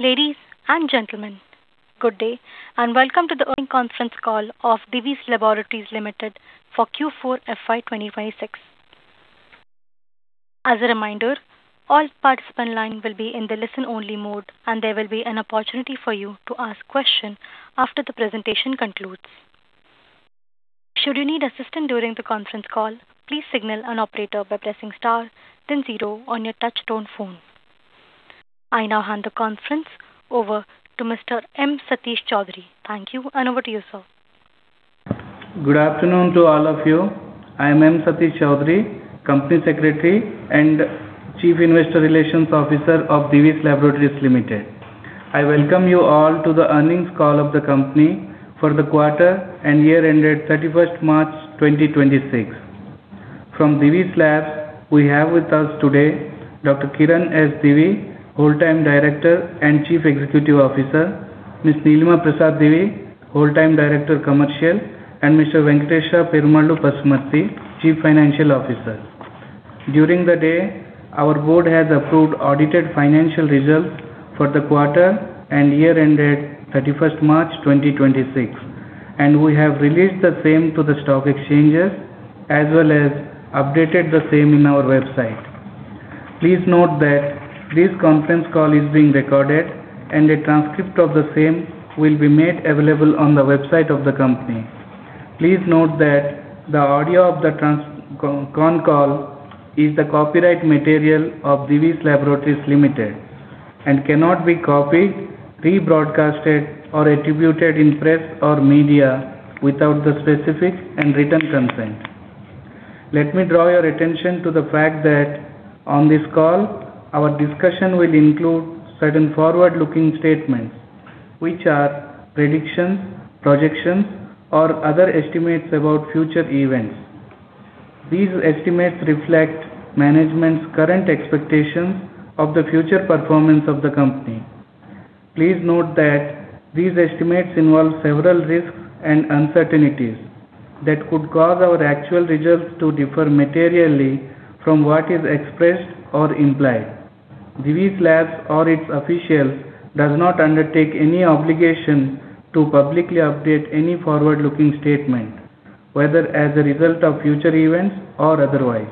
Ladies and gentlemen, good day, and welcome to the earnings conference call of Divi's Laboratories Limited for Q4 FY 2026. As a reminder, all participant lines will be in the listen-only mode, and there will be an opportunity for you to ask questions after the presentation concludes. Should you need assistance during the conference call, please signal an operator by pressing star then zero on your touch tone phone. I now hand the conference over to Mr. M. Satish Choudhury. Thank you, and over to you, sir. Good afternoon to all of you. I'm M. Satish Choudhury, Company Secretary and Chief Investor Relations Officer of Divi's Laboratories Limited. I welcome you all to the earnings call of the company for the quarter and year-ended 31st March 2026. From Divi's Labs, we have with us today Dr. Kiran S. Divi, Whole-Time Director and Chief Executive Officer, Ms. Nilima Prasad Divi, Whole-Time Director Commercial, and Mr. Venkatesa Perumallu Pasumarthy, Chief Financial Officer. During the day, our board has approved audited financial results for the quarter and year-ended 31st March 2026, and we have released the same to the stock exchanges as well as updated the same in our website. Please note that this conference call is being recorded, and a transcript of the same will be made available on the website of the company. Please note that the audio of the con call is the copyright material of Divi's Laboratories Limited and cannot be copied, rebroadcasted or attributed in press or media without the specific and written consent. Let me draw your attention to the fact that on this call, our discussion will include certain forward-looking statements, which are predictions, projections, or other estimates about future events. These estimates reflect management's current expectations of the future performance of the company. Please note that these estimates involve several risks and uncertainties that could cause our actual results to differ materially from what is expressed or implied. Divi's Labs or its official does not undertake any obligation to publicly update any forward-looking statement, whether as a result of future events or otherwise.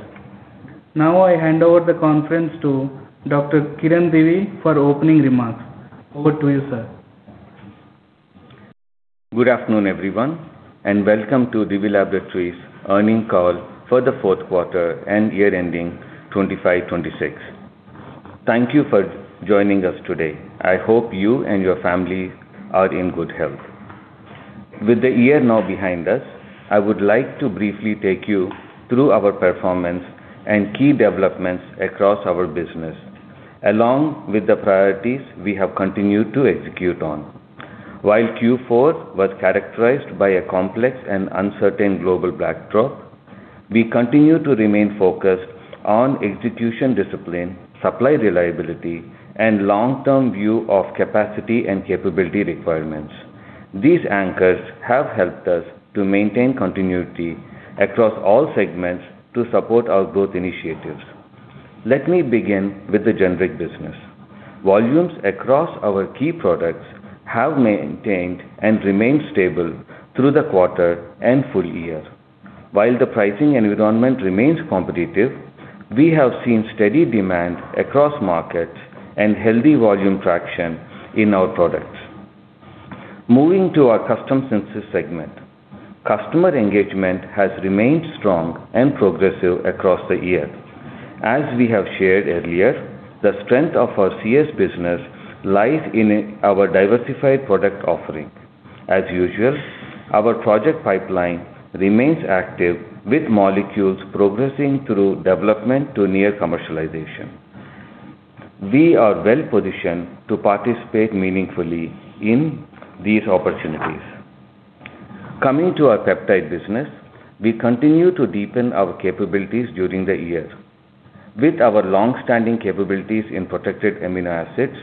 Now I hand over the conference to Dr. Kiran Divi for opening remarks. Over to you, sir. Good afternoon, everyone, and welcome to Divi's Laboratories earnings call for the fourth quarter and year-ending 2025/2026. Thank you for joining us today. I hope you and your family are in good health. With the year now behind us, I would like to briefly take you through our performance and key developments across our business, along with the priorities we have continued to execute on. While Q4 was characterized by a complex and uncertain global backdrop, we continue to remain focused on execution discipline, supply reliability, and long-term view of capacity and capability requirements. These anchors have helped us to maintain continuity across all segments to support our growth initiatives. Let me begin with the generic business. Volumes across our key products have maintained and remained stable through the quarter and full year. While the pricing environment remains competitive, we have seen steady demand across markets and healthy volume traction in our products. Moving to our custom synthesis segment. Customer engagement has remained strong and progressive across the year. As we have shared earlier, the strength of our CS business lies in our diversified product offering. As usual, our project pipeline remains active with molecules progressing through development to near commercialization. We are well-positioned to participate meaningfully in these opportunities. Coming to our peptide business, we continue to deepen our capabilities during the year. With our longstanding capabilities in protected amino acids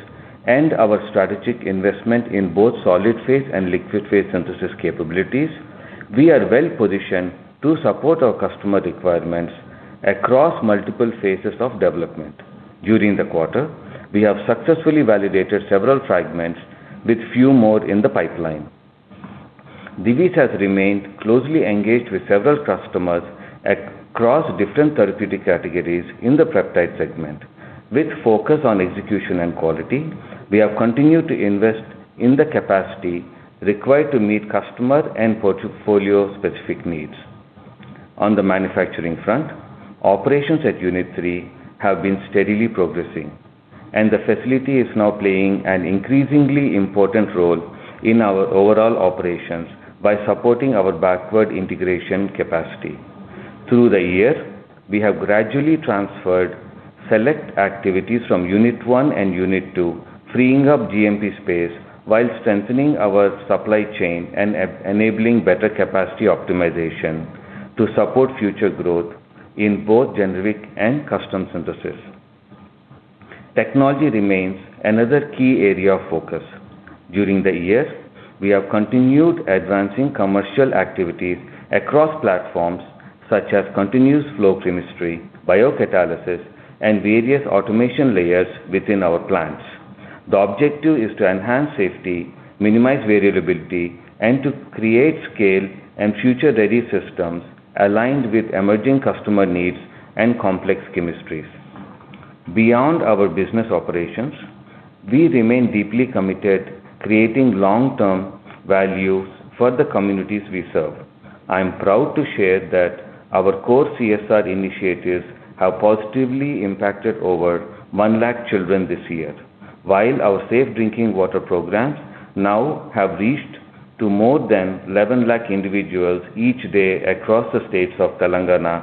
and our strategic investment in both solid phase and liquid phase synthesis capabilities, we are well-positioned to support our customer requirements across multiple phases of development. During the quarter, we have successfully validated several fragments with few more in the pipeline. Divi's has remained closely engaged with several customers across different therapeutic categories in the peptide segment. With focus on execution and quality, we have continued to invest in the capacity required to meet customer and portfolio specific needs. On the manufacturing front, operations at Unit 3 have been steadily progressing, and the facility is now playing an increasingly important role in our overall operations by supporting our backward integration capacity. Through the year, we have gradually transferred select activities from Unit 1 and Unit 2, freeing up GMP space while strengthening our supply chain and enabling better capacity optimization to support future growth in both generic and custom synthesis. Technology remains another key area of focus. During the year, we have continued advancing commercial activities across platforms such as continuous flow chemistry, biocatalysis, and various automation layers within our plants. The objective is to enhance safety, minimize variability, and to create scale and future-ready systems aligned with emerging customer needs and complex chemistries. Beyond our business operations, we remain deeply committed creating long-term value for the communities we serve. I'm proud to share that our core CSR initiatives have positively impacted over 1 lakh children this year. While our safe drinking water programs now have reached to more than 11 lakh individuals each day across the states of Telangana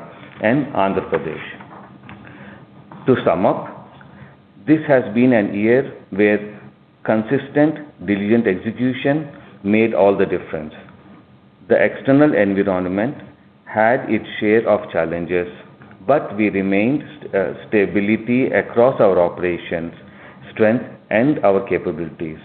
and Andhra Pradesh. To sum up, this has been a year where consistent, diligent execution made all the difference. The external environment had its share of challenges, but we remained stability across our operations, strength and our capabilities.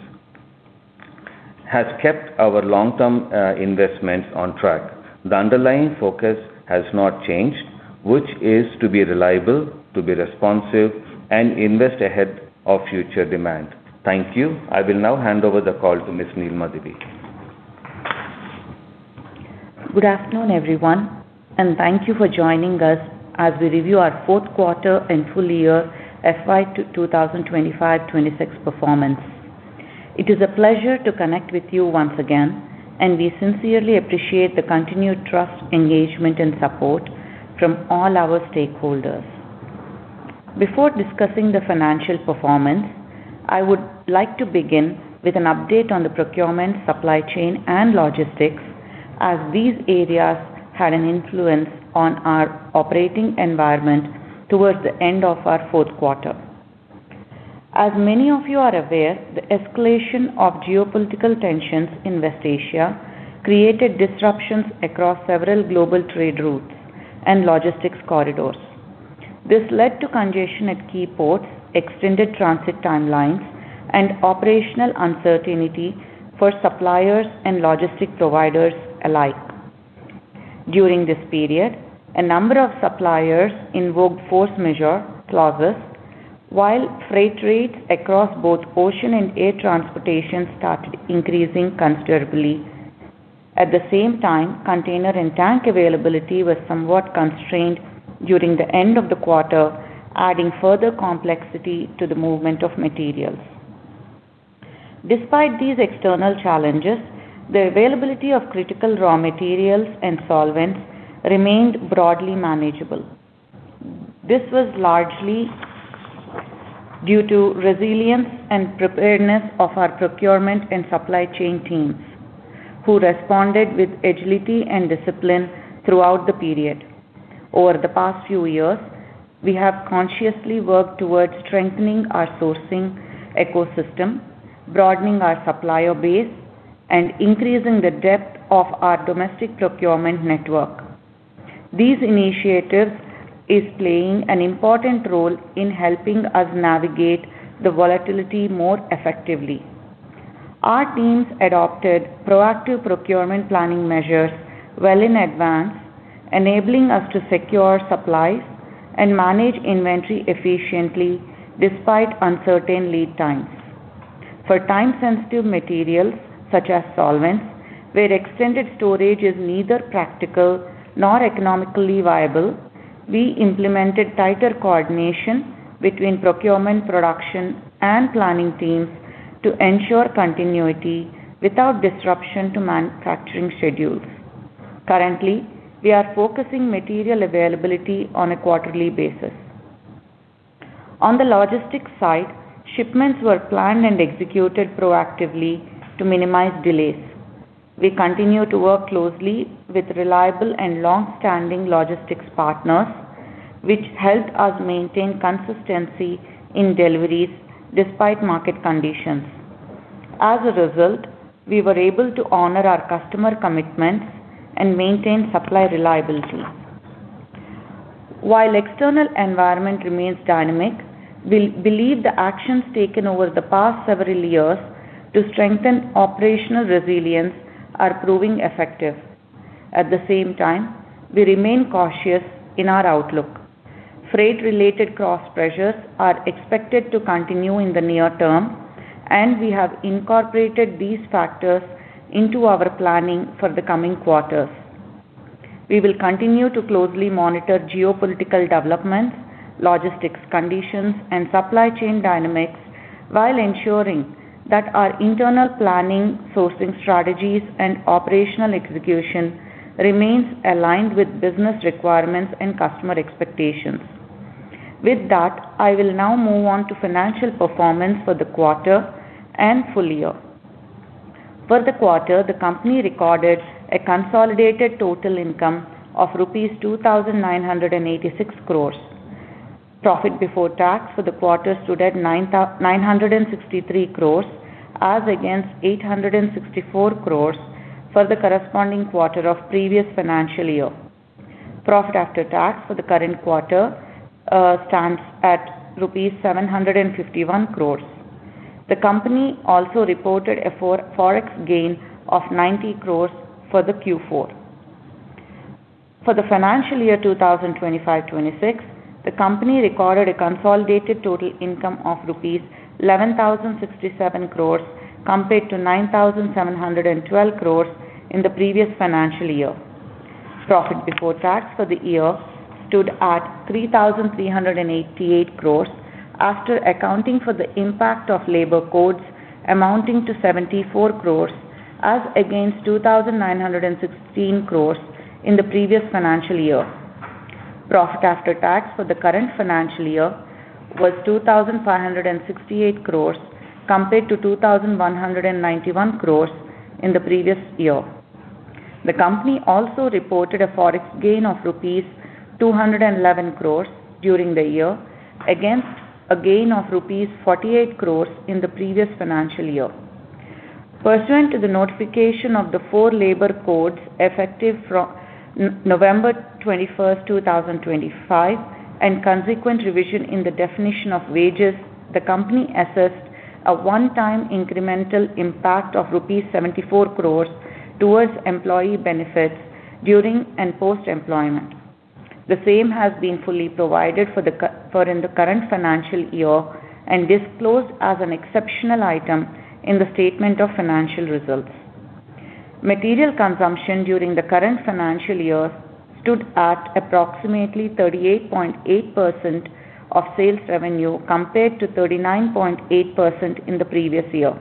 Has kept our long-term investments on track. The underlying focus has not changed, which is to be reliable, to be responsive, and invest ahead of future demand. Thank you. I will now hand over the call to Ms. Nilima Divi. Good afternoon, everyone. Thank you for joining us as we review our fourth quarter and full year FY 2025/26 performance. It is a pleasure to connect with you once again, and we sincerely appreciate the continued trust, engagement and support from all our stakeholders. Before discussing the financial performance, I would like to begin with an update on the procurement, supply chain, and logistics as these areas had an influence on our operating environment towards the end of our fourth quarter. As many of you are aware, the escalation of geopolitical tensions in West Asia created disruptions across several global trade routes and logistics corridors. This led to congestion at key ports, extended transit timelines and operational uncertainty for suppliers and logistics providers alike. During this period, a number of suppliers invoked force majeure clauses while freight rates across both ocean and air transportation started increasing considerably. At the same time, container and tank availability was somewhat constrained during the end of the quarter, adding further complexity to the movement of materials. Despite these external challenges, the availability of critical raw materials and solvents remained broadly manageable. This was largely due to resilience and preparedness of our procurement and supply chain teams, who responded with agility and discipline throughout the period. Over the past few years, we have consciously worked towards strengthening our sourcing ecosystem, broadening our supplier base, and increasing the depth of our domestic procurement network. These initiatives is playing an important role in helping us navigate the volatility more effectively. Our teams adopted proactive procurement planning measures well in advance, enabling us to secure supplies and manage inventory efficiently despite uncertain lead times. For time-sensitive materials such as solvents, where extended storage is neither practical nor economically viable, we implemented tighter coordination between procurement, production, and planning teams to ensure continuity without disruption to manufacturing schedules. Currently, we are focusing material availability on a quarterly basis. On the logistics side, shipments were planned and executed proactively to minimize delays. We continue to work closely with reliable and longstanding logistics partners, which helped us maintain consistency in deliveries despite market conditions. As a result, we were able to honor our customer commitments and maintain supply reliability. While external environment remains dynamic, we believe the actions taken over the past several years to strengthen operational resilience are proving effective. At the same time, we remain cautious in our outlook. Freight-related cost pressures are expected to continue in the near term, and we have incorporated these factors into our planning for the coming quarters. We will continue to closely monitor geopolitical developments, logistics conditions, and supply chain dynamics while ensuring that our internal planning, sourcing strategies, and operational execution remains aligned with business requirements and customer expectations. With that, I will now move on to financial performance for the quarter and full year. For the quarter, the company recorded a consolidated total income of rupees 2,986 crores. Profit before tax for the quarter stood at 963 crores as against 864 crores for the corresponding quarter of previous financial year. Profit after tax for the current quarter stands at rupees 751 crores. The company also reported a Forex gain of 90 crores for the Q4. For the financial year 2025-26, the company recorded a consolidated total income of rupees 11,067 crores compared to 9,712 crores in the previous financial year. Profit before tax for the year stood at 3,388 crores after accounting for the impact of labour codes amounting to 74 crores as against 2,916 crores in the previous financial year. Profit after tax for the current financial year was 2,568 crores compared to 2,191 crores in the previous year. The company also reported a Forex gain of rupees 211 crores during the year, against a gain of rupees 48 crores in the previous financial year. Pursuant to the notification of the four labour codes effective from November 21st, 2025, and consequent revision in the definition of wages, the company assessed a one-time incremental impact of rupees 74 crores towards employee benefits during and post-employment. The same has been fully provided for in the current financial year and disclosed as an exceptional item in the statement of financial results. Material consumption during the current financial year stood at approximately 38.8% of sales revenue compared to 39.8% in the previous year.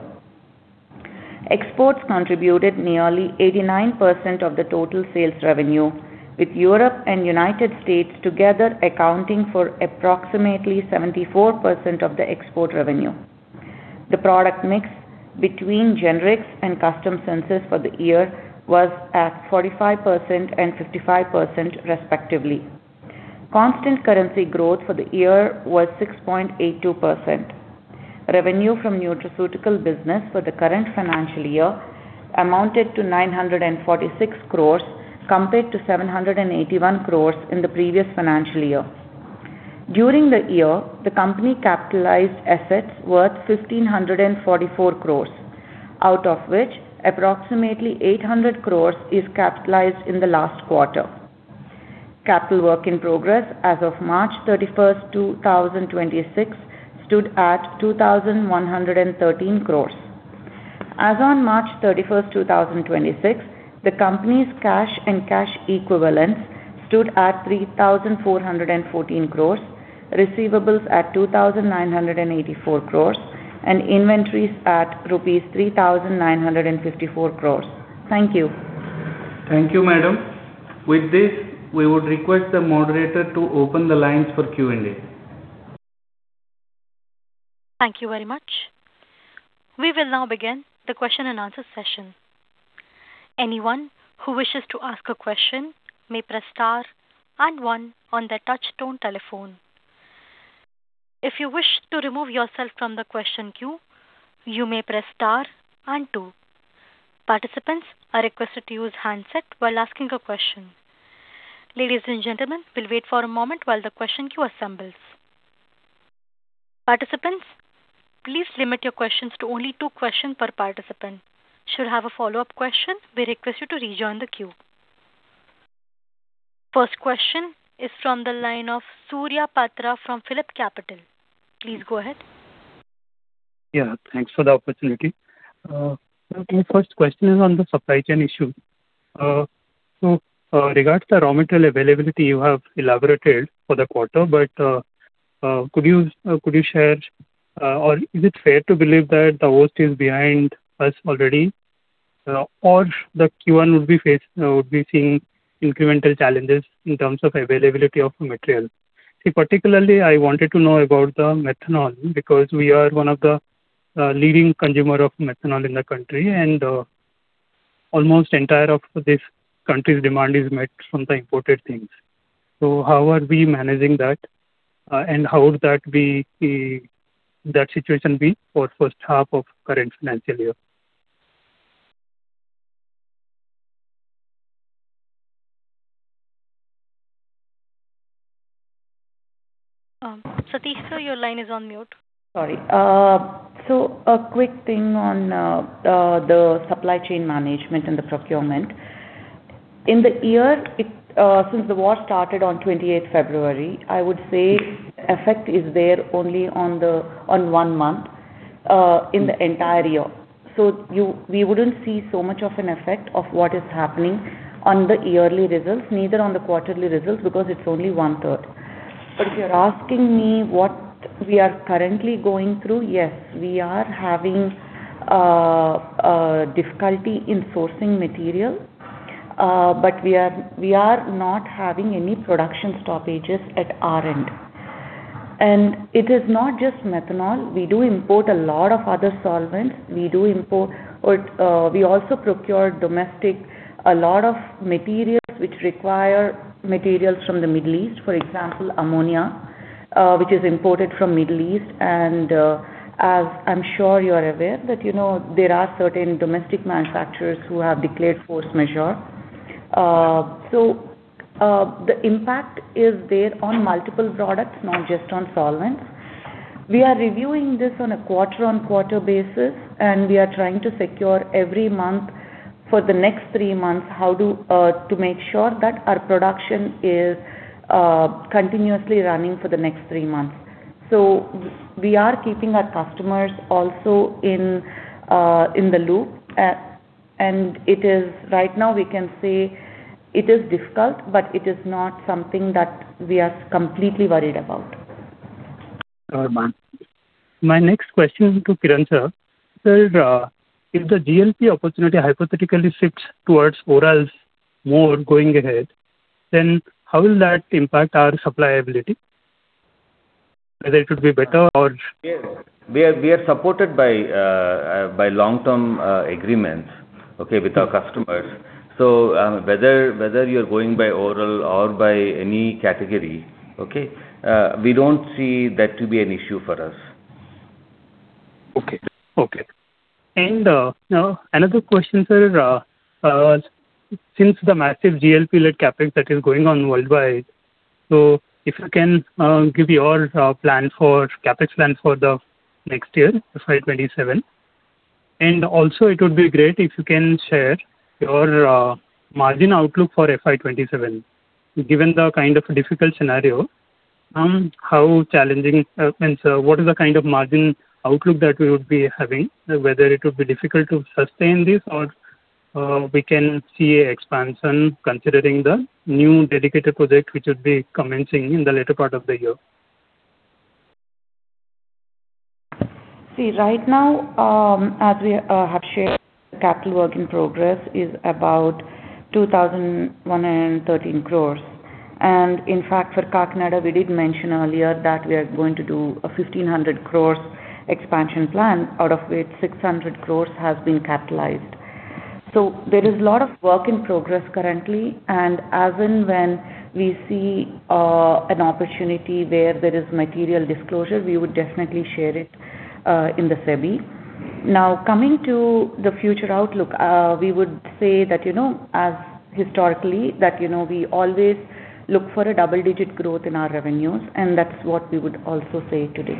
Exports contributed nearly 89% of the total sales revenue, with Europe and United States together accounting for approximately 74% of the export revenue. The product mix between generics and custom synthesis for the year was at 45% and 55%, respectively. Constant currency growth for the year was 6.82%. Revenue from nutraceutical business for the current financial year amounted to 946 crores compared to 781 crores in the previous financial year. During the year, the company capitalized assets worth 1,544 crores, out of which approximately 800 crores is capitalized in the last quarter. Capital work in progress as of March 31, 2026, stood at 2,113 crores. As on March 31st 2026, the company's cash and cash equivalents stood at 3,414 crores, receivables at 2,984 crores and inventories at rupees 3,954 crores. Thank you. Thank you, madam. With this, we would request the moderator to open the lines for Q&A. Thank you very much. We will now begin the question and answer session. Anyone who wishes to ask a question may press star and one on their touchtone telephone. If you wish to remove yourself from the question queue, you may press star and two. Participants are requested to use handset while asking a question. Ladies and gentlemen, we'll wait for a moment while the question queue assembles. Participants, please limit your questions to only two questions per participant. Should you have a follow-up question, we request you to rejoin the queue. First question is from the line of Surya Patra from PhillipCapital. Please go ahead. Yeah, thanks for the opportunity. My first question is on the supply chain issue. Regards the raw material availability you have elaborated for the quarter, but could you share or is it fair to believe that the worst is behind us already? The Q1 would be seeing incremental challenges in terms of availability of materials? See, particularly, I wanted to know about the methanol because we are one of the leading consumer of methanol in the country and almost entire of this country's demand is met from the imported things. How are we managing that and how would that situation be for first half of current financial year? Satish, sir, your line is on mute. A quick thing on the supply chain management and the procurement. In the year, since the war started on 28th February, I would say effect is there only on one month in the entire year. We wouldn't see so much of an effect of what is happening on the yearly results, neither on the quarterly results because it's only one-third. If you're asking me what we are currently going through, yes, we are having difficulty in sourcing material, but we are not having any production stoppages at our end. It is not just methanol. We do import a lot of other solvents. We also procure domestic, a lot of materials which require materials from the Middle East, for example, ammonia which is imported from Middle East. As I'm sure you're aware that there are certain domestic manufacturers who have declared force majeure. The impact is there on multiple products, not just on solvents. We are reviewing this on a quarter-on-quarter basis, and we are trying to secure every month for the next three months to make sure that our production is continuously running for the next three months. We are keeping our customers also in the loop. Right now we can say it is difficult, but it is not something that we are completely worried about. Ma'am. My next question is to Kiran, Sir. Sir, if the GLP-1 opportunity hypothetically shifts towards orals more going ahead, then how will that impact our supply ability? Whether it would be better or. Yes. We are supported by long-term agreements, okay, with our customers. Whether you're going by oral or by any category, okay, we don't see that to be an issue for us. Okay. Now another question, sir. Since the massive GLP-1-led CapEx that is going on worldwide, so if you can give your CapEx plans for the next year, FY 2027. Also it would be great if you can share your margin outlook for FY 2027. Given the kind of a difficult scenario, what is the kind of margin outlook that we would be having? Whether it would be difficult to sustain this, or we can see expansion considering the new dedicated project which would be commencing in the later part of the year. Right now, as we have shared, the capital work in progress is about 2,130 crores. In fact, for Kakinada, we did mention earlier that we are going to do a 1,500 crores expansion plan, out of which 600 crores has been capitalized. There is a lot of work in progress currently, and as and when we see an opportunity where there is material disclosure, we would definitely share it in the SEBI. Coming to the future outlook, we would say that as historically that we always look for a double-digit growth in our revenues, and that's what we would also say today.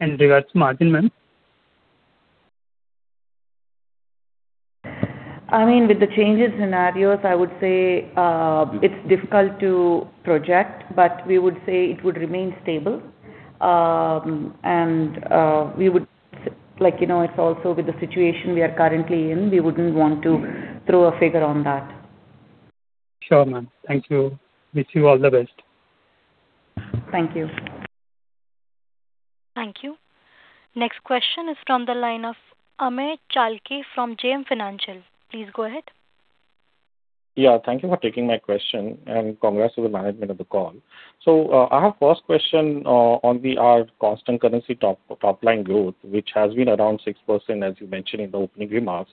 Regards to margin, ma'am? With the changing scenarios, I would say, it's difficult to project, but we would say it would remain stable. It's also with the situation we are currently in, we wouldn't want to throw a figure on that. Sure, ma'am. Thank you. Wish you all the best. Thank you. Thank you. Next question is from the line of Amey Chalke from JM Financial. Please go ahead. Yeah. Thank you for taking my question, and congrats to the management of the call. I have first question on our constant currency top line growth, which has been around 6%, as you mentioned in the opening remarks.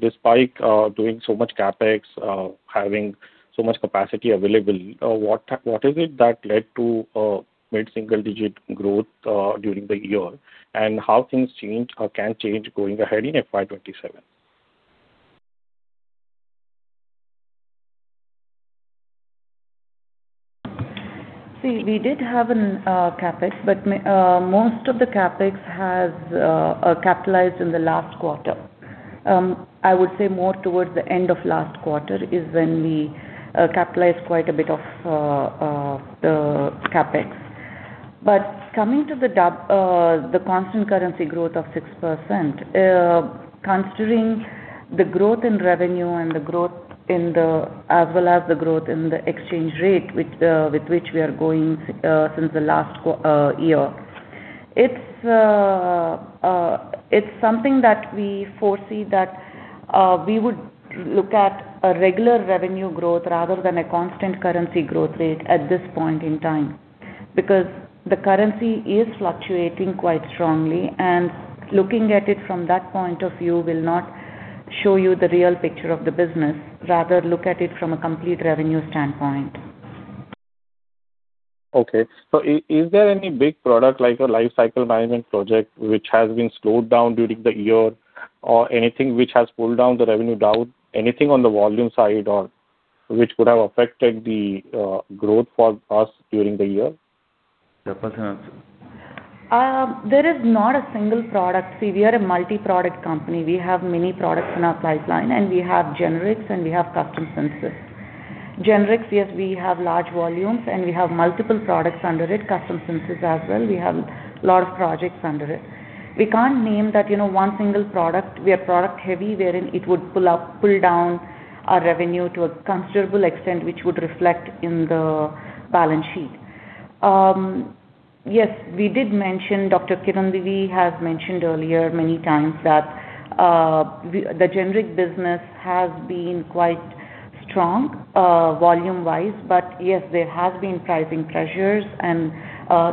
Despite doing so much CapEx, having so much capacity available, what is it that led to mid-single digit growth during the year? How things change or can change going ahead in FY 2027? We did have a CapEx, most of the CapEx has capitalized in the last quarter. I would say more towards the end of last quarter is when we capitalized quite a bit of the CapEx. Coming to the constant currency growth of 6%, considering the growth in revenue and the growth as well as the growth in the exchange rate with which we are going since the last year. It's something that we foresee that we would look at a regular revenue growth rather than a constant currency growth rate at this point in time, the currency is fluctuating quite strongly, looking at it from that point of view will not show you the real picture of the business, rather look at it from a complete revenue standpoint. Okay. Is there any big product, like a life cycle management project, which has been slowed down during the year or anything which has pulled down the revenue down? Anything on the volume side or which could have affected the growth for us during the year? Depal, can you answer? There is not a single product. See, we are a multi-product company. We have many products in our pipeline, and we have generics, and we have custom synthesis. Generics, yes, we have large volumes, and we have multiple products under it. Custom synthesis as well, we have a lot of projects under it. We can't name that one single product. We are product-heavy, wherein it would pull down our revenue to a considerable extent, which would reflect in the balance sheet. Yes. We did mention, Dr. Kiran Divi has mentioned earlier many times that the generic business has been quite strong volume-wise. Yes, there has been pricing pressures and,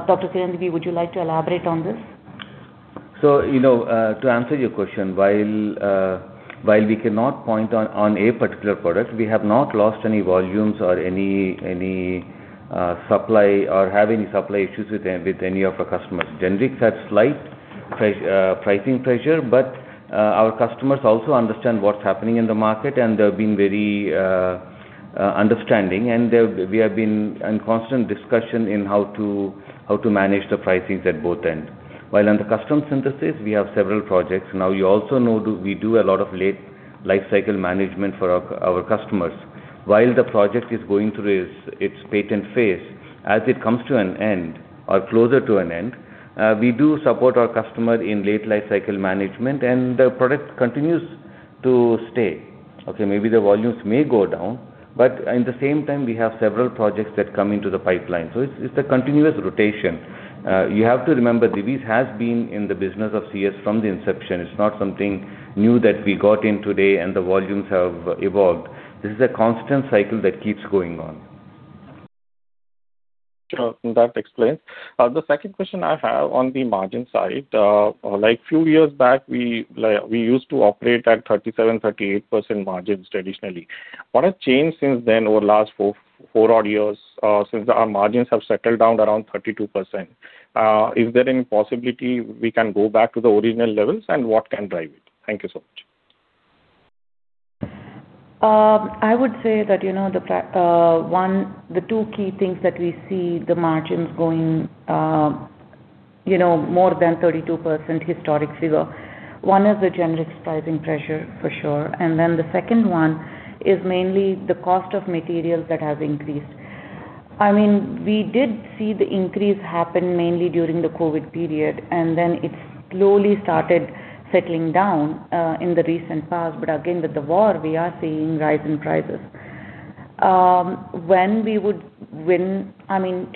Dr. Kiran Divi, would you like to elaborate on this? To answer your question, while we cannot point on a particular product, we have not lost any volumes or have any supply issues with any of our customers. Generics had slight pricing pressure, but our customers also understand what's happening in the market, and they've been very understanding, and we have been in constant discussion in how to manage the pricings at both ends. On the custom synthesis, we have several projects. You also know we do a lot of late life cycle management for our customers. The project is going through its patent phase, as it comes to an end or closer to an end, we do support our customer in late life cycle management, and the product continues to stay. Maybe the volumes may go down, but in the same time, we have several projects that come into the pipeline. It's a continuous rotation. You have to remember, Divi's has been in the business of CS from the inception. It's not something new that we got in today and the volumes have evolved. This is a constant cycle that keeps going on. Sure. That explains. The second question I have on the margin side. A few years back, we used to operate at 37%-38% margins traditionally. What has changed since then over the last four odd years, since our margins have settled down around 32%? Is there any possibility we can go back to the original levels, and what can drive it? Thank you so much. I would say that the two key things that we see the margins going more than 32% historic figure. One is the generic pricing pressure for sure, and then the second one is mainly the cost of materials that has increased. We did see the increase happen mainly during the COVID period, and then it slowly started settling down in the recent past. Again, with the war, we are seeing rise in prices. To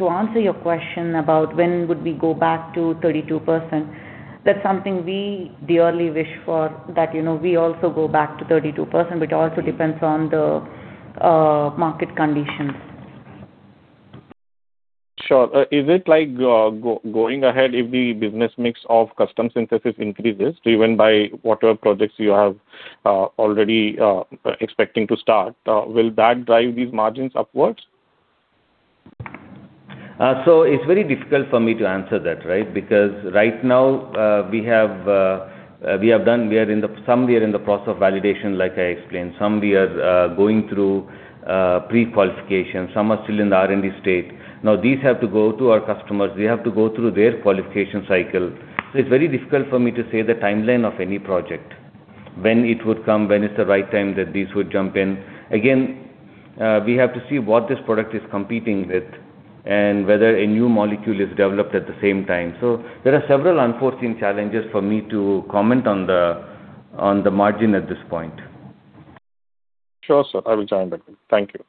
answer your question about when would we go back to 32%, that's something we dearly wish for, that we also go back to 32%, which also depends on the market condition. Sure. Is it like going ahead if the business mix of custom synthesis increases, even by whatever projects you are already expecting to start, will that drive these margins upwards? It's very difficult for me to answer that, right? Right now we are somewhere in the process of validation like I explained. Some we are going through pre-qualification. Some are still in the R&D state. Now, these have to go to our customers. We have to go through their qualification cycle. It's very difficult for me to say the timeline of any project. When it would come, when it's the right time that these would jump in. Again, we have to see what this product is competing with and whether a new molecule is developed at the same time. There are several unforeseen challenges for me to comment on the margin at this point. Sure, sir. I will join that. Thank you.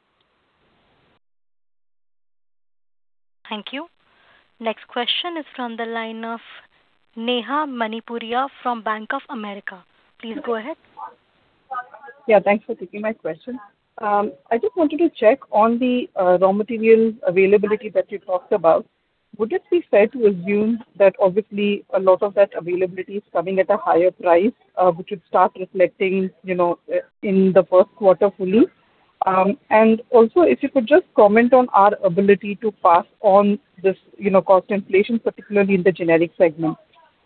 Thank you. Next question is from the line of Neha Manpuria from Bank of America. Please go ahead. Yeah. Thanks for taking my question. I just wanted to check on the raw material availability that you talked about. Would it be fair to assume that obviously a lot of that availability is coming at a higher price, which would start reflecting in the first quarter fully? Also, if you could just comment on our ability to pass on this cost inflation, particularly in the generic segment.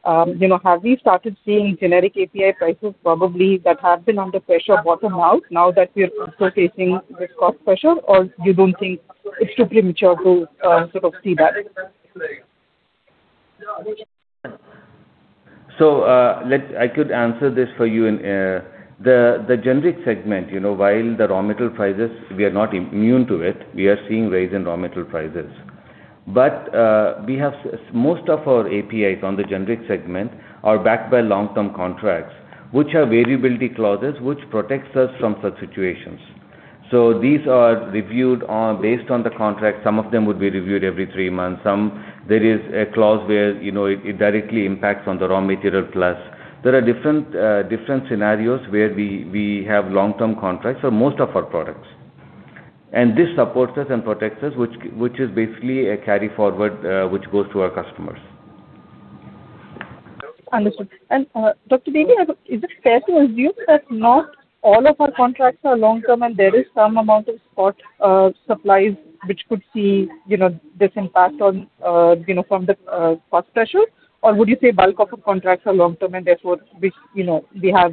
Have we started seeing generic API prices probably that have been under pressure bottom out now that we are also facing this cost pressure, or you don't think it's too premature to sort of see that? I could answer this for you. The generic segment, while the raw material prices, we are not immune to it. We are seeing rise in raw material prices. Most of our APIs on the generic segment are backed by long-term contracts, which have variability clauses, which protects us from such situations. These are reviewed based on the contract. Some of them would be reviewed every three months. There is a clause where it directly impacts on the raw material plus. There are different scenarios where we have long-term contracts for most of our products. This supports us and protects us, which is basically a carry forward, which goes to our customers. Understood. Dr. Divi, is it fair to assume that not all of our contracts are long-term and there is some amount of spot supplies which could see this impact from the cost pressure? Or would you say bulk of our contracts are long-term and therefore we have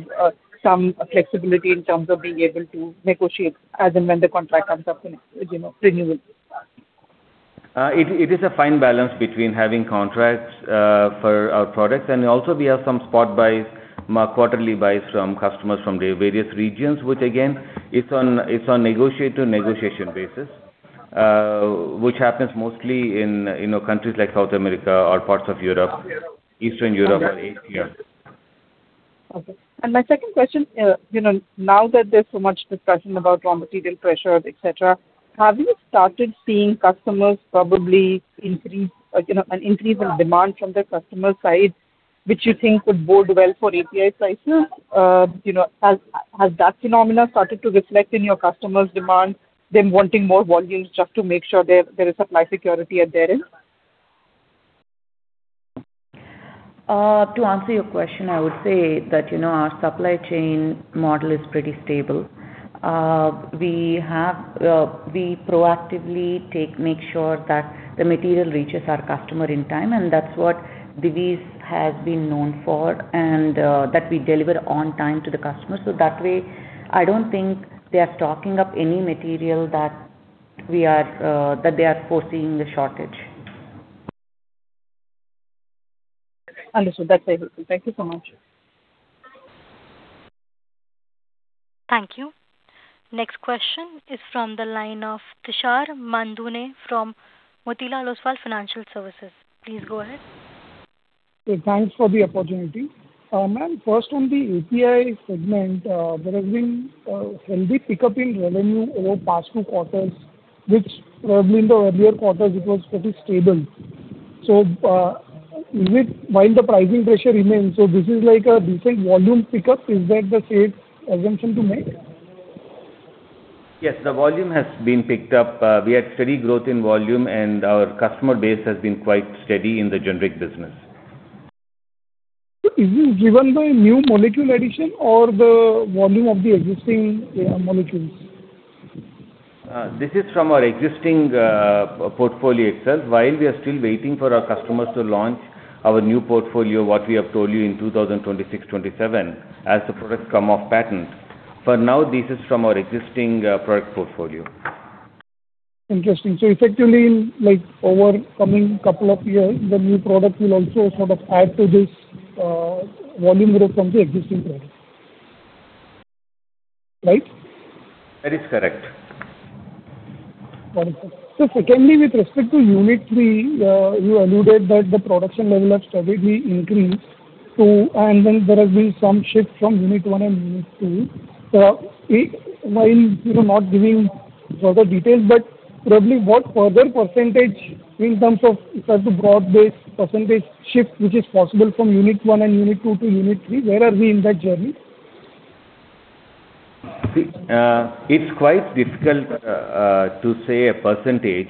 some flexibility in terms of being able to negotiate as and when the contract comes up for renewal? It is a fine balance between having contracts for our products and also we have some spot buys, quarterly buys from customers from the various regions, which again, it's on negotiation basis, which happens mostly in countries like South America or parts of Europe, Eastern Europe or Asia. Okay. My second question, now that there's so much discussion about raw material pressures, et cetera, have you started seeing customers probably an increase in demand from the customer side, which you think could bode well for API prices? Has that phenomena started to reflect in your customers' demands, them wanting more volumes just to make sure there is supply security at their end? To answer your question, I would say that our supply chain model is pretty stable. We proactively make sure that the material reaches our customer on time, and that's what Divi's has been known for, and that we deliver on time to the customer. That way, I don't think they are stocking up any material that they are foreseeing the shortage. Understood. That's helpful. Thank you so much. Thank you. Next question is from the line of Tushar Manudhane from Motilal Oswal Financial Services. Please go ahead. Thanks for the opportunity. Ma'am, first on the API segment, there has been a healthy pickup in revenue over the past two quarters, which probably in the earlier quarters it was pretty stable. While the pricing pressure remains, so this is like a decent volume pickup. Is that the safe assumption to make? Yes, the volume has been picked up. We had steady growth in volume, and our customer base has been quite steady in the generic business. Is this driven by new molecule addition or the volume of the existing API molecules? This is from our existing portfolio itself. While we are still waiting for our customers to launch our new portfolio, what we have told you in 2026-2027, as the products come off patent. For now, this is from our existing product portfolio. Interesting. Effectively, over the coming couple of years, the new product will also sort of add to this volume growth from the existing product. Right? That is correct. Got it, sir. Secondly, with respect to unit 3, you alluded that the production level has steadily increased, then there has been some shift from unit 1 and unit 2. While you are not giving further details, probably what further % in terms of, if I have to broad base % shift, which is possible from unit 1 and unit 2 to unit 3, where are we in that journey? It's quite difficult to say a percentage,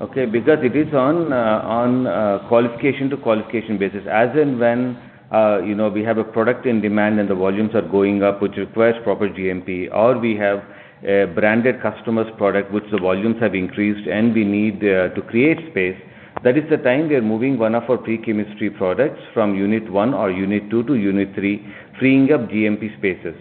because it is on a qualification to qualification basis. As and when we have a product in demand and the volumes are going up, which requires proper GMP, or we have a branded customer's product, which the volumes have increased and we need to create space, that is the time we are moving one of our pre-chemistry products from unit 1 or unit 2 to unit 3, freeing up GMP spaces.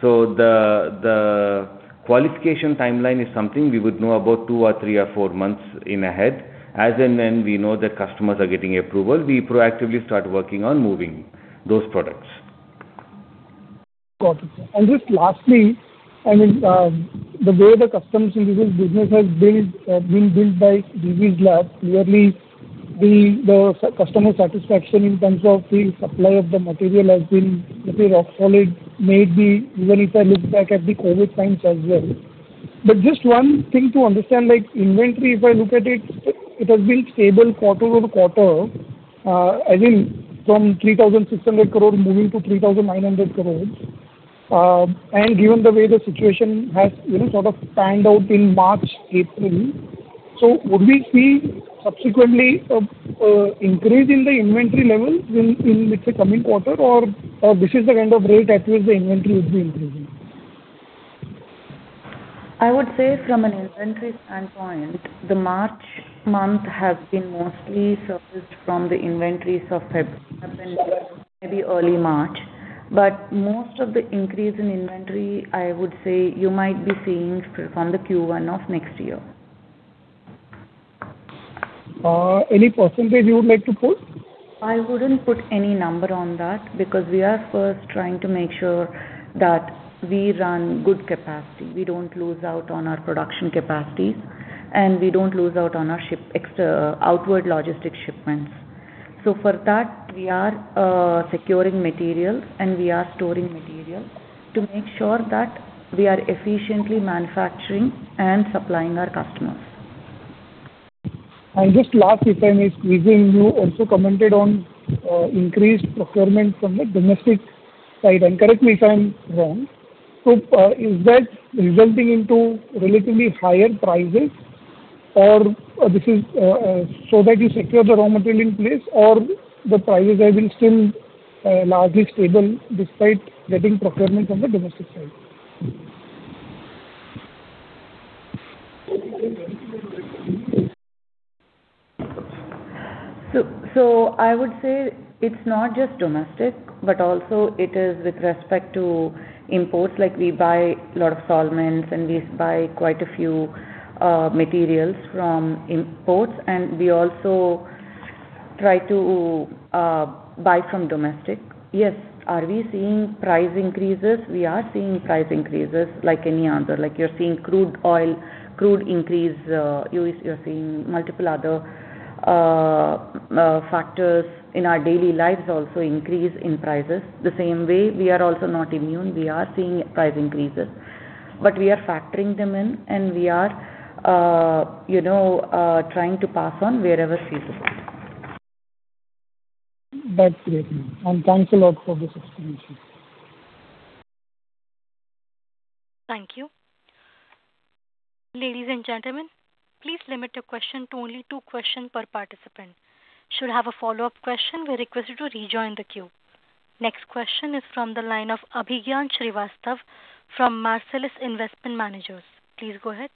So the qualification timeline is something we would know about two or three or four months in ahead. As and when we know that customers are getting approvals, we proactively start working on moving those products. Got it, sir. Just lastly, the way the custom synthesis business has been built by Divi's Lab, clearly the customer satisfaction in terms of the supply of the material has been pretty rock solid, maybe even if I look back at the COVID times as well. Just one thing to understand, inventory, if I look at it has been stable quarter-over-quarter, as in from 3,600 crore moving to 3,900 crores. Given the way the situation has sort of panned out in March, April, would we see subsequently an increase in the inventory levels in, let's say, coming quarter or this is the kind of rate at which the inventory would be increasing? I would say from an inventory standpoint, the March month has been mostly surfaced from the inventories of February, maybe early March. Most of the increase in inventory, I would say you might be seeing from the Q1 of next year. Any percentage you would like to put? I wouldn't put any number on that because we are first trying to make sure that we run good capacity. We don't lose out on our production capacities. We don't lose out on our outward logistics shipments. For that, we are securing materials and we are storing materials to make sure that we are efficiently manufacturing and supplying our customers. Just last, if I may squeeze in, you also commented on increased procurement from the domestic side, and correct me if I'm wrong. Is that resulting into relatively higher prices or this is so that you secure the raw material in place, or the prices have been still largely stable despite getting procurement from the domestic side? I would say it's not just domestic, but also it is with respect to imports. We buy a lot of solvents and we buy quite a few materials from imports, and we also try to buy from domestic. Are we seeing price increases? We are seeing price increases like any other. You're seeing crude oil increase. You're seeing multiple other factors in our daily lives also increase in prices. The same way, we are also not immune. We are seeing price increases. We are factoring them in and we are trying to pass on wherever feasible. That's great, ma'am. Thanks a lot for this explanation. Thank you. Ladies and gentlemen, please limit your question to only two question per participant. Should you have a follow-up question, we request you to rejoin the queue. Next question is from the line of Abhigyan Srivastava from Marcellus Investment Managers. Please go ahead.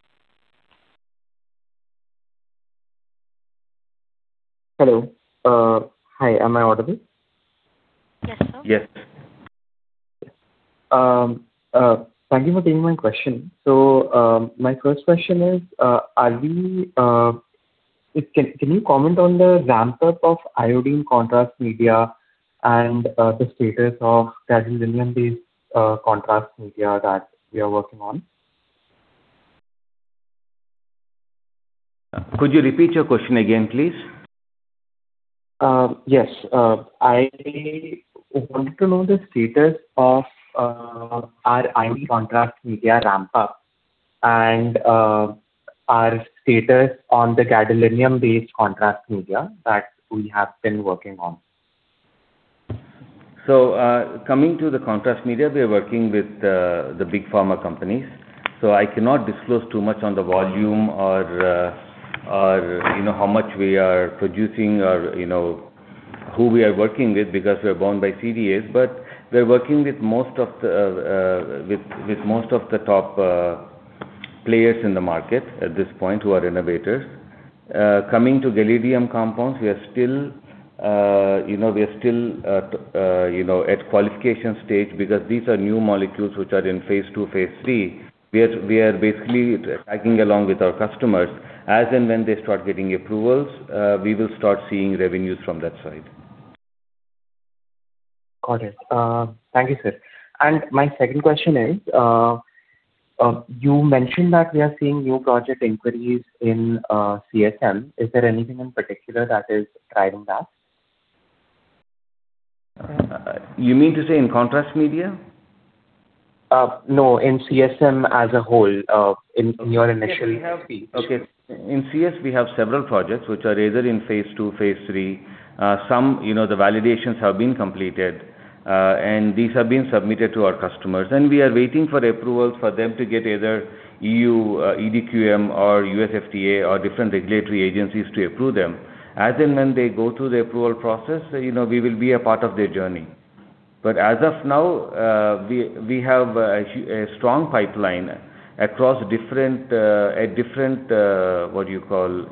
Hello. Hi, am I audible? Yes, sir. Yes. Thank you for taking my question. My first question is, can you comment on the ramp-up of iodine contrast media and the status of gadolinium-based contrast media that we are working on? Could you repeat your question again, please? Yes. I want to know the status of our iodine contrast media ramp-up and our status on the gadolinium-based contrast media that we have been working on. Coming to the contrast media, we are working with the big pharma companies. I cannot disclose too much on the volume or how much we are producing or who we are working with because we are bound by CDAs, but we are working with most of the top players in the market at this point who are innovators. Coming to gadolinium compounds, we are still at qualification stage because these are new molecules which are in phase II, phase III. We are basically tagging along with our customers. As and when they start getting approvals, we will start seeing revenues from that side. Got it. Thank you, sir. My second question is, you mentioned that we are seeing new project inquiries in CSM. Is there anything in particular that is driving that? You mean to say in contrast media? No, in CSM as a whole, in your initial speech. Okay. In CS, we have several projects which are either in phase II, phase III. Some, the validations have been completed, and these have been submitted to our customers, and we are waiting for approval for them to get either EU, EDQM or USFDA or different regulatory agencies to approve them. As and when they go through the approval process, we will be a part of their journey. As of now, we have a strong pipeline across different, what you call,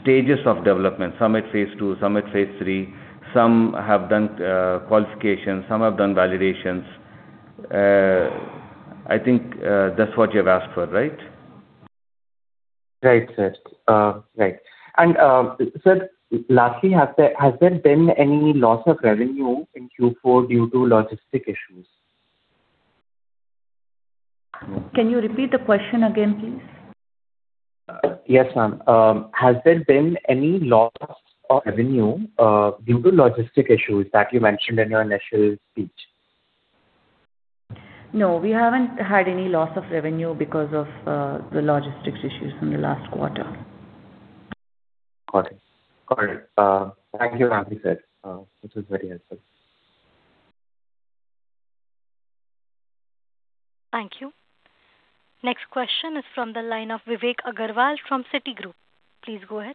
stages of development. Some at phase II, some at phase III, some have done qualifications, some have done validations. I think that's what you've asked for, right? Right, sir. Sir, lastly, has there been any loss of revenue in Q4 due to logistic issues? Can you repeat the question again, please? Yes, ma'am. Has there been any loss of revenue due to logistic issues that you mentioned in your initial speech? No, we haven't had any loss of revenue because of the logistics issues in the last quarter. Got it. Thank you, Abby, sir. This is very helpful. Thank you. Next question is from the line of Vivek Agarwal from Citigroup. Please go ahead.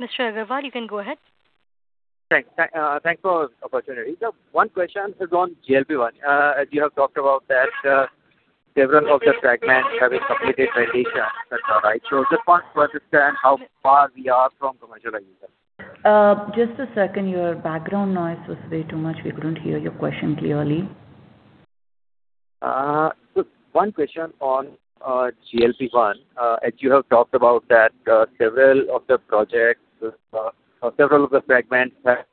Mr. Agarwal, you can go ahead. Thanks for the opportunity. One question is on GLP-1, as you have talked about that several of the fragments have completed validation, that is all right. Just want to understand how far we are from commercializing that. Just a second. Your background noise was way too much. We couldn't hear your question clearly. One question on GLP-1, as you have talked about that several of the projects or several of the fragments have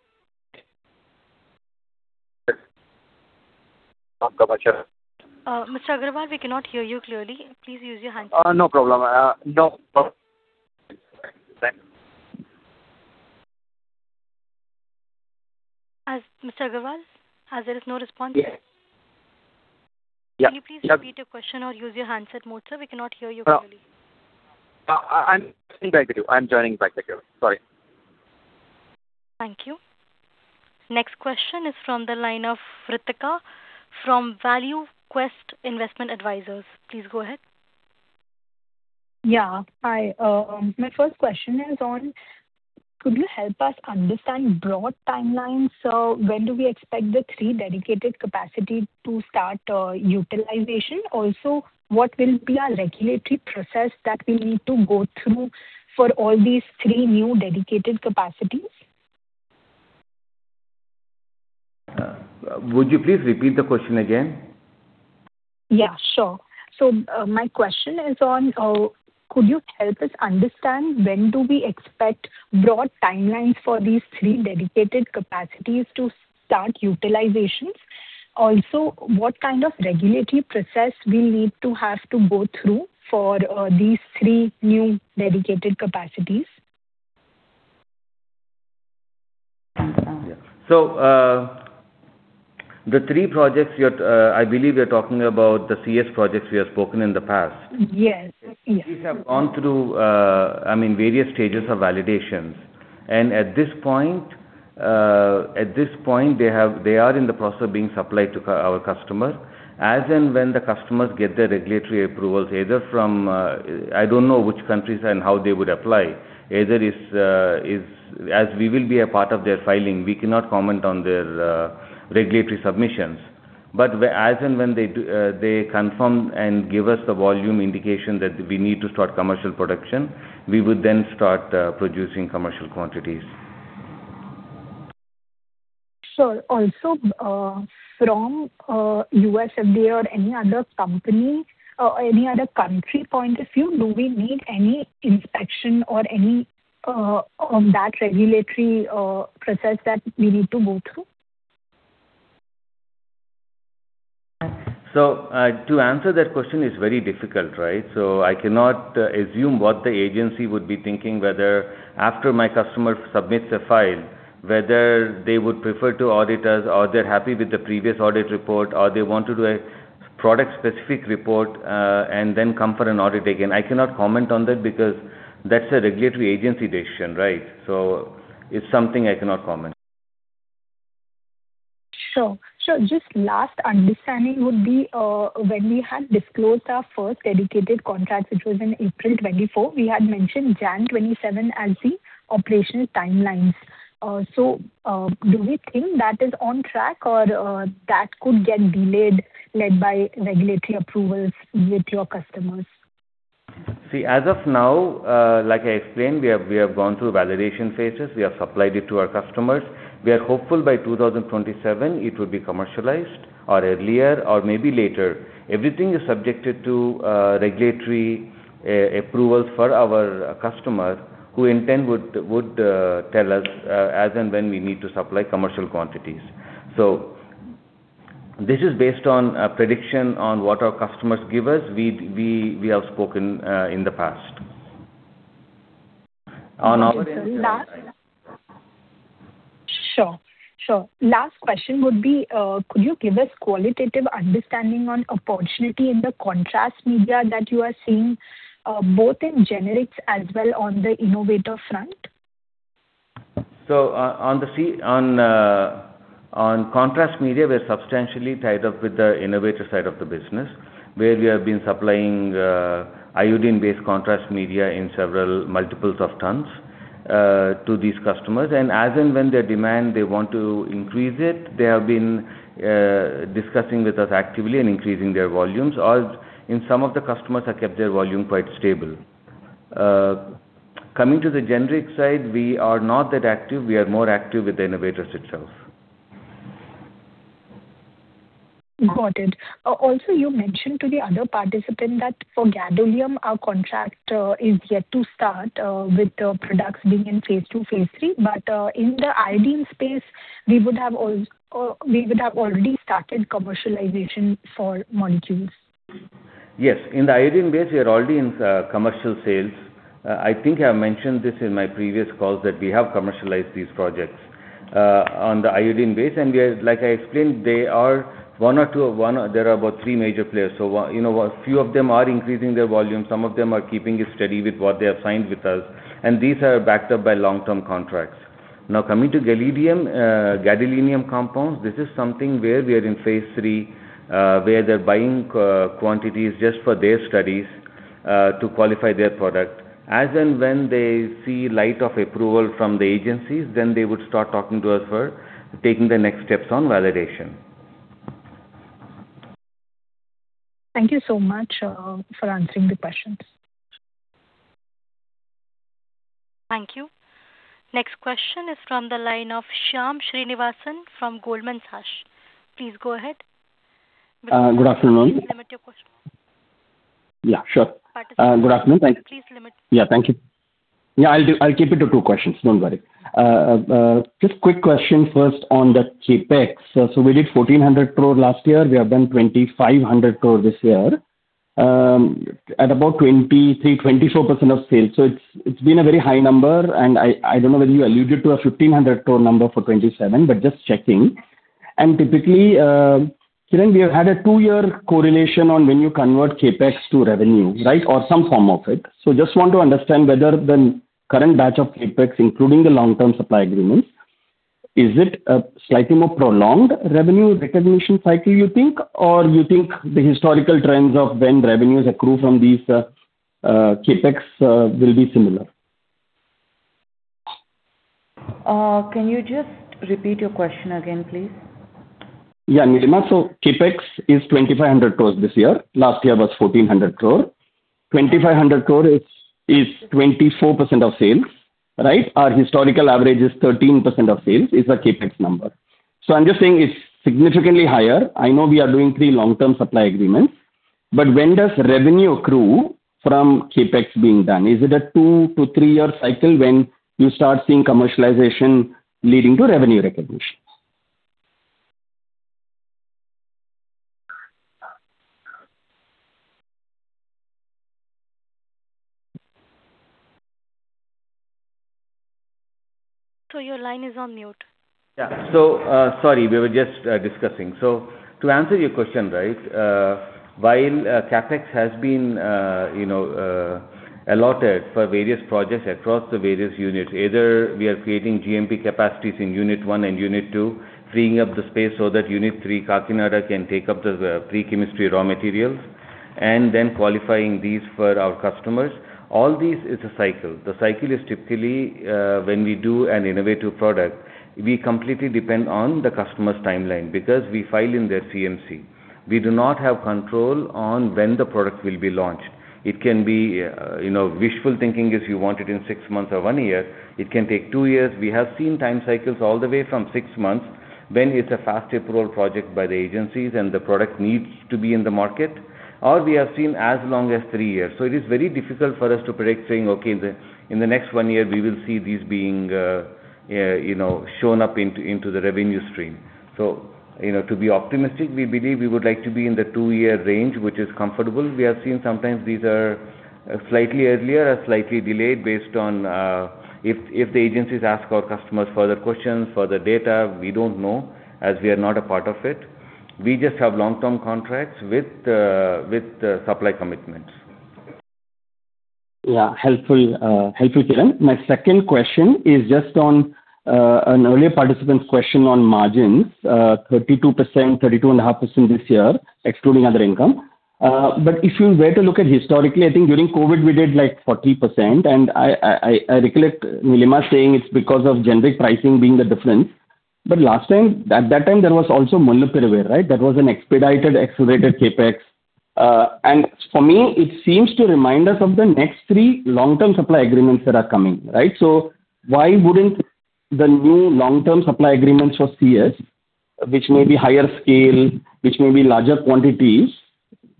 Mr. Agarwal, we cannot hear you clearly. Please use your handset. No problem. Mr. Agarwal, as there is no response. Yes. Can you please repeat your question or use your handset mode, sir? We cannot hear you clearly. I'm in Bangalore. I'm joining Bangalore. Sorry. Thank you. Next question is from the line of Ritika from ValueQuest Investment Advisors. Please go ahead. Yeah. Hi. My first question is on, could you help us understand broad timelines? When do we expect the three dedicated capacity to start utilization? Also, what will be a regulatory process that we need to go through for all these three new dedicated capacities? Would you please repeat the question again? Yeah, sure. My question is on, could you help us understand when do we expect broad timelines for these three dedicated capacities to start utilizations? Also, what kind of regulatory process we need to have to go through for these three new dedicated capacities? The three projects, I believe you're talking about the CS projects we have spoken about in the past. Yes. These have gone through various stages of validation. At this point, they are in the process of being supplied to our customer. As and when the customers get their regulatory approvals, either from I don't know which countries and how they would apply. We will be a part of their filing, we cannot comment on their regulatory submissions. As and when they confirm and give us the volume indication that we need to start commercial production, we would then start producing commercial quantities. Sure. Also, from US FDA or any other country point of view, do we need any inspection or any of that regulatory process that we need to go through? To answer that question is very difficult. I cannot assume what the agency would be thinking, whether after my customer submits a file, whether they would prefer to audit us or they're happy with the previous audit report or they want to do a product-specific report, and then come for an audit again. I cannot comment on that because that's a regulatory agency decision. It's something I cannot comment. Sure. Just last understanding would be, when we had disclosed our first dedicated contract, which was in April 2024, we had mentioned January 2027 as the operational timelines. Do we think that is on track or that could get delayed led by regulatory approvals with your customers? As of now, like I explained, we have gone through validation phases. We have supplied it to our customers. We are hopeful by 2027 it will be commercialized or earlier or maybe later. Everything is subjected to regulatory approvals for our customer who in turn would tell us as and when we need to supply commercial quantities. This is based on a prediction on what our customers give us. We have spoken in the past. Sure. Last question would be, could you give us qualitative understanding on opportunity in the contrast media that you are seeing, both in generics as well on the innovator front? On contrast media, we're substantially tied up with the innovator side of the business, where we have been supplying iodine contrast media in several multiples of tons to these customers. As and when their demand, they want to increase it, they have been discussing with us actively and increasing their volumes, or some of the customers have kept their volume quite stable. Coming to the generic side, we are not that active. We are more active with the innovators itself. Got it. You mentioned to the other participant that for gadolinium, our contract is yet to start with the products being in phase II, phase III. In the iodine space, we would have already started commercialization for molecules. Yes. In the iodine base, we are already in commercial sales. I think I mentioned this in my previous calls that we have commercialized these projects on the iodine base. Like I explained, there are about three major players. A few of them are increasing their volume. Some of them are keeping it steady with what they have signed with us. These are backed up by long-term contracts. Now, coming to gadolinium compounds, this is something where we are in phase III, where they're buying quantities just for their studies to qualify their product. As and when they see light of approval from the agencies, then they would start talking to us for taking the next steps on validation. Thank you so much for answering the questions. Thank you. Next question is from the line of Shyam Srinivasan from Goldman Sachs. Please go ahead. Good afternoon. Please limit your question. Yeah, sure. Participant- Good afternoon. Thank you. Please limit. Yeah, thank you. Yeah, I'll keep it to two questions. Don't worry. Quick question first on the CapEx. We did 1,400 crore last year. We have done 2,500 crore this year at about 23%, 24% of sales. It's been a very high number, and I don't know whether you alluded to a 1,500 crore number for 2027, but just checking. Typically, Kiran, we have had a two-year correlation on when you convert CapEx to revenue or some form of it. Just want to understand whether the current batch of CapEx, including the long-term supply agreements, is it a slightly more prolonged revenue recognition cycle, you think? Or you think the historical trends of when revenues accrue from these CapEx will be similar? Can you just repeat your question again, please? Yeah, Nilima Divi. CapEx is 2,500 crore this year. Last year was 1,400 crore. 2,500 crore is 24% of sales. Our historical average is 13% of sales is the CapEx number. I'm just saying it's significantly higher. I know we are doing three long-term supply agreements, when does revenue accrue from CapEx being done? Is it a two-three year cycle when you start seeing commercialization leading to revenue recognition? Sir, your line is on mute. Yeah. Sorry, we were just discussing. To answer your question, while CapEx has been allotted for various projects across the various units. Either we are creating GMP capacities in Unit 1 and Unit 2, freeing up the space so that Unit 3, Kakinada, can take up the pre-chemistry raw materials, and then qualifying these for our customers. All these is a cycle. The cycle is typically when we do an innovative product, we completely depend on the customer's timeline because we file in their CMC. We do not have control on when the product will be launched. It can be wishful thinking if you want it in six months or one year, it can take two years. We have seen time cycles all the way from six months when it's a fast approval project by the agencies and the product needs to be in the market, or we have seen as long as three years. It is very difficult for us to predict saying, "Okay, in the next one year we will see these being shown up into the revenue stream." To be optimistic, we believe we would like to be in the two year range, which is comfortable. We have seen sometimes these are slightly earlier or slightly delayed based on if the agencies ask our customers further questions, further data, we don't know, as we are not a part of it. We just have long-term contracts with supply commitments. Yeah, helpful, Kiran. My second question is just on an earlier participant's question on margins, 32%, 32.5% this year, excluding other income. If you were to look at historically, I think during COVID we did 40%, and I recollect Nilima saying it's because of generic pricing being the difference. Last time, at that time there was also molnupiravir. That was an expedited, accelerated CapEx. For me, it seems to remind us of the next three long-term supply agreements that are coming. Why wouldn't the new long-term supply agreements for CS, which may be higher scale, which may be larger quantities,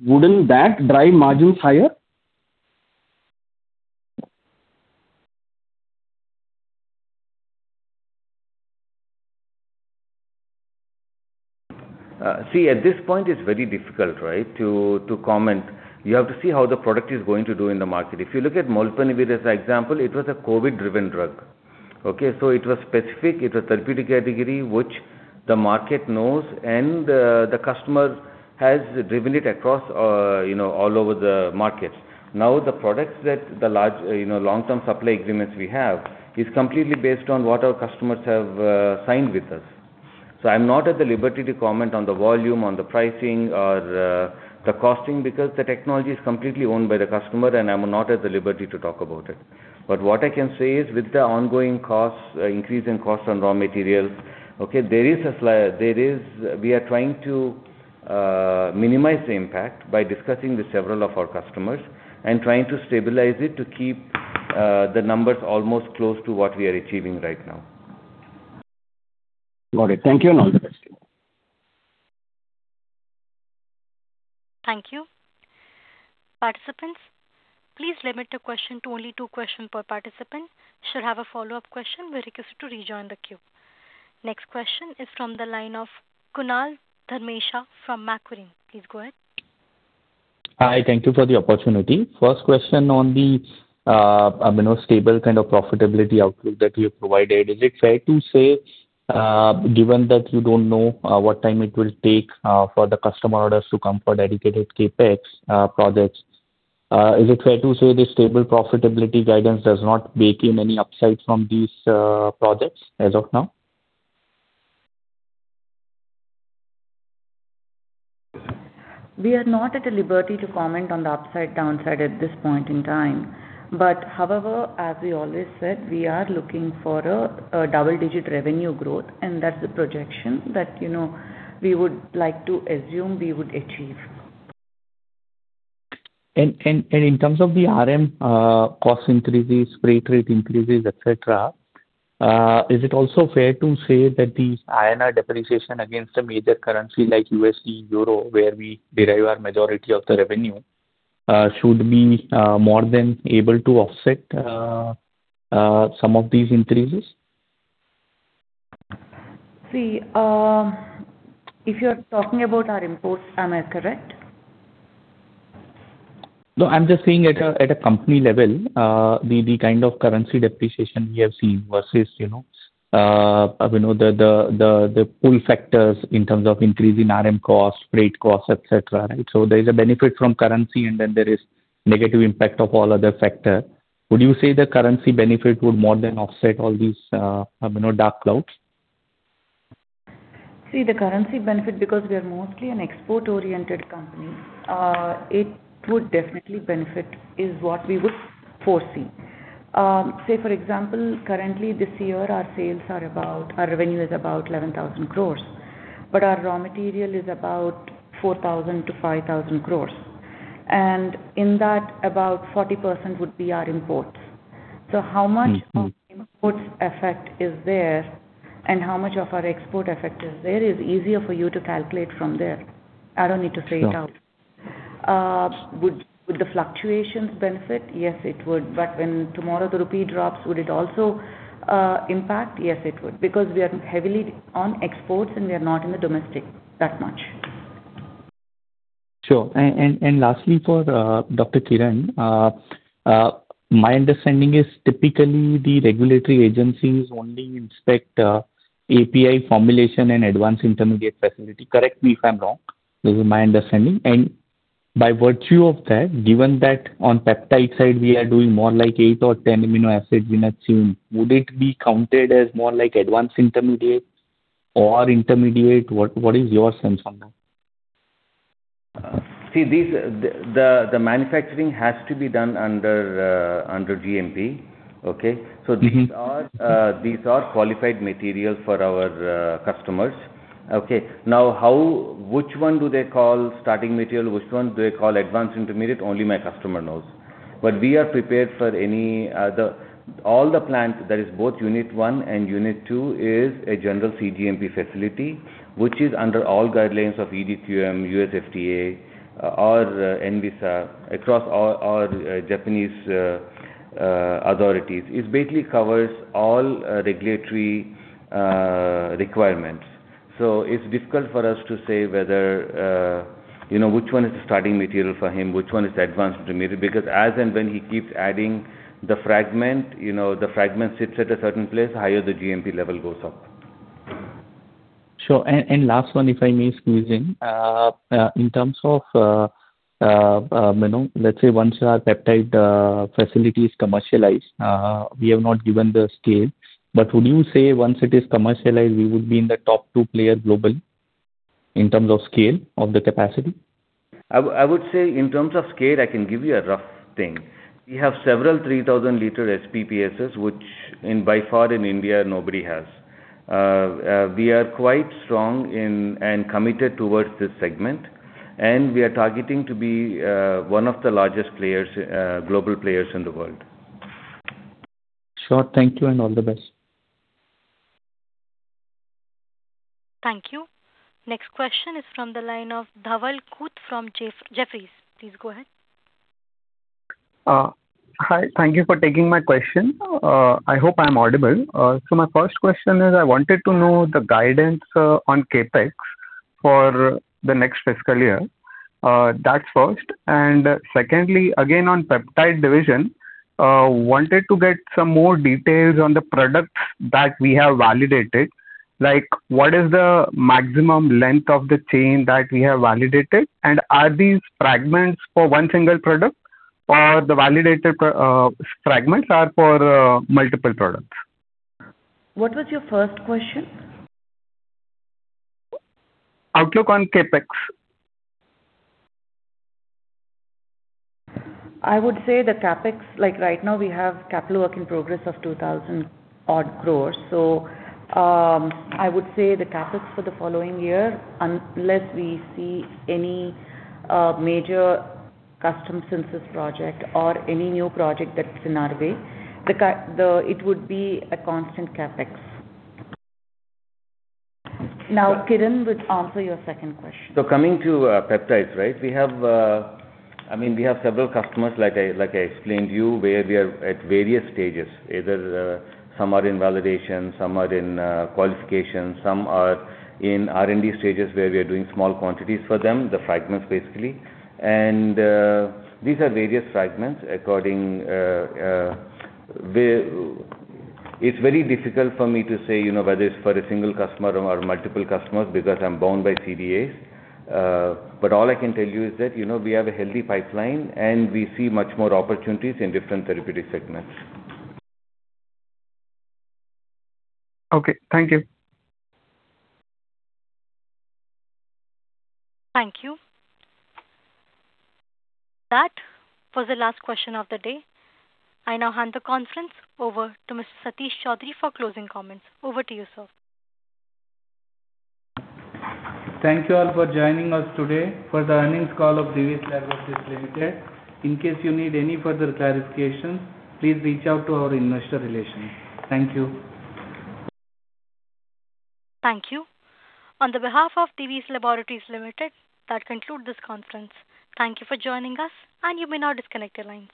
wouldn't that drive margins higher? At this point it's very difficult to comment. You have to see how the product is going to do in the market. If you look at molnupiravir as an example, it was a COVID-driven drug. It was specific, it's a therapeutic category which the market knows and the customer has driven it all over the markets. The products that the long-term supply agreements we have is completely based on what our customers have signed with us. I'm not at the liberty to comment on the volume, on the pricing or the costing because the technology is completely owned by the customer and I'm not at the liberty to talk about it. What I can say is with the ongoing costs, increase in cost on raw materials, we are trying to minimize the impact by discussing with several of our customers and trying to stabilize it to keep the numbers almost close to what we are achieving right now. Got it. Thank you and all the best. Thank you. Participants, please limit your question to only two questions per participant. Should have a follow-up question, we request you to rejoin the queue. Next question is from the line of Kunal Dhamesha from Macquarie. Please go ahead. Hi, thank you for the opportunity. First question on the stable kind of profitability outlook that you've provided. Given that you don't know what time it will take for the customer orders to come for dedicated CapEx projects, is it fair to say the stable profitability guidance does not bake in any upside from these projects as of now? We are not at the liberty to comment on the upside/downside at this point in time. However, as we always said, we are looking for a double-digit revenue growth and that's the projection that we would like to assume we would achieve. In terms of the RM cost increases, freight rate increases, et cetera, is it also fair to say that the INR depreciation against a major currency like USD, Euro, where we derive our majority of the revenue, should be more than able to offset some of these increases? See, if you're talking about our imports, am I correct? I'm just saying at a company level, the kind of currency depreciation we have seen versus the pull factors in terms of increase in RM cost, freight cost, et cetera. There is a benefit from currency and then there is negative impact of all other factors. Would you say the currency benefit would more than offset all these dark clouds? The currency benefit, because we are mostly an export-oriented company, it would definitely benefit is what we would foresee. Say, for example, currently this year our revenue is about 11,000 crores, our raw material is about 4,000-5,000 crores. In that, about 40% would be our imports. How much of imports effect is there and how much of our export effect is there is easier for you to calculate from there. I don't need to say it out. Sure. Would the fluctuations benefit? Yes, it would. When tomorrow the Rupee drops, would it also impact? Yes, it would. We are heavily on exports and we are not in the domestic that much. Sure. Lastly for Dr. Kiran, my understanding is typically the regulatory agencies only inspect API formulation and advanced intermediate facility. Correct me if I'm wrong. This is my understanding. By virtue of that, given that on peptide side we are doing more like 8 or 10 amino acids in a chain, would it be counted as more like advanced intermediate or intermediate? What is your sense on that? See, the manufacturing has to be done under GMP. Okay? These are qualified material for our customers. Okay. Which one do they call starting material, which one do they call advanced intermediate, only my customer knows, but we are prepared for any other. All the plants, that is both Unit 1 and Unit 2, is a general cGMP facility, which is under all guidelines of EDQM, US FDA or ANVISA, across all Japanese authorities. It basically covers all regulatory requirements. It's difficult for us to say which one is the starting material for him, which one is advanced intermediate, because as and when he keeps adding the fragment, the fragment sits at a certain place, higher the GMP level goes up. Sure. Last one, if I may squeeze in. In terms of, let's say once our peptide facility is commercialized, we have not given the scale. Would you say once it is commercialized, we would be in the top two player global in terms of scale of the capacity? I would say in terms of scale, I can give you a rough thing. We have several 3,000 liter SPPS, which by far in India nobody has. We are quite strong and committed towards this segment, and we are targeting to be one of the largest global players in the world. Sure. Thank you and all the best. Thank you. Next question is from the line of Dhawal Khut from Jefferies. Please go ahead. Hi. Thank you for taking my question. I hope I'm audible. My 1st question is I wanted to know the guidance on CapEx for the next fiscal year. That's first and secondly, again, on peptide division, wanted to get some more details on the products that we have validated. Like what is the maximum length of the chain that we have validated, and are these fragments for 1 single product or the validated fragments are for multiple products? What was your first question? Outlook on CapEx. I would say the CapEx, like right now we have capital work in progress of 2,000 odd crores. I would say the CapEx for the following year, unless we see any major custom synthesis project or any new project that's in our way, it would be a constant CapEx. Kiran would answer your second question. Coming to peptides, we have several customers, like I explained to you, where we are at various stages. Either some are in validation, some are in qualification, some are in R&D stages where we are doing small quantities for them, the fragments basically. These are various fragments. It's very difficult for me to say whether it's for a single customer or multiple customers because I'm bound by CDAs. All I can tell you is that we have a healthy pipeline and we see much more opportunities in different therapeutic segments. Okay. Thank you. Thank you. That was the last question of the day. I now hand the conference over to Mr. M. Satish Choudhury for closing comments. Over to you, sir. Thank you all for joining us today for the earnings call of Divi's Laboratories Limited. In case you need any further clarification, please reach out to our investor relations. Thank you. Thank you. On the behalf of Divi's Laboratories Limited, that conclude this conference. Thank you for joining us, and you may now disconnect your lines.